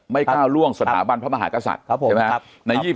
ก้าวล่วงสถาบันพระมหากษัตริย์ใช่ไหมครับ